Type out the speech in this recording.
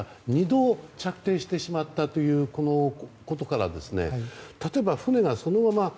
２度、着底してしまったということから例えば船が、そのまま。